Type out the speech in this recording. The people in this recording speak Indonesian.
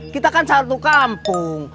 kita kan satu kampung